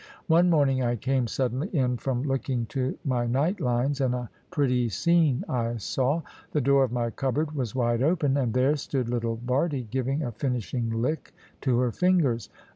One morning I came suddenly in from looking to my night lines, and a pretty scene I saw. The door of my cupboard was wide open, and there stood little Bardie giving a finishing lick to her fingers.